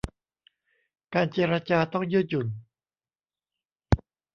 การเจรจาต้องยืดหยุ่น